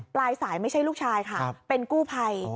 ปลายสายไม่ใช่ลูกชายค่ะเป็นกู้ภัย